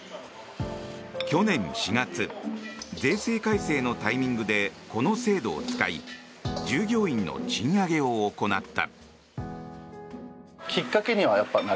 去年４月税制改正のタイミングでこの制度を使い従業員の賃上げを行った。